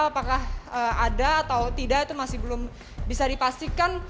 apakah ada atau tidak itu masih belum bisa dipastikan